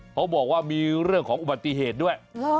เขาบอกว่ามีเรื่องของอุบัติเหตุด้วย